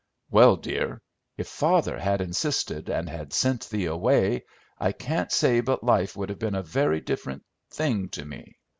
"Well, dear, if father had insisted and had sent thee away, I can't say but life would have been a very different thing to me."